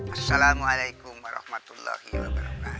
assalamualaikum warahmatullahi wabarakatuh